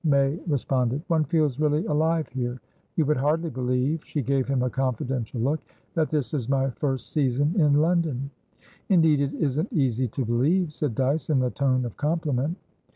May responded. "One feels really alive here. You would hardly believe" she gave him a confidential look"that this is my first season in London." "Indeed it isn't easy to believe," said Dyce, in the tone of compliment.